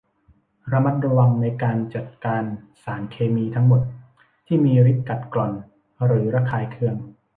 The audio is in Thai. ระมัดระวังในการจัดการสารเคมีทั้งหมดที่มีฤทธิ์กัดกร่อนหรือระคายเคือง